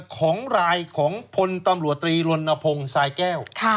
ของรายของพลตำรวจตรีลนพงศ์สายแก้ว